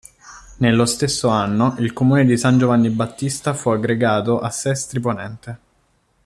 Nello stesso anno il comune di San Giovanni Battista fu aggregato a Sestri Ponente.